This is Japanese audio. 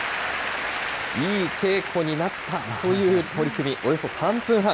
いい稽古になったという取組、およそ３分半。